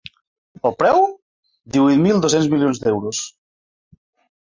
El preu? divuit mil dos-cents milions d’euros.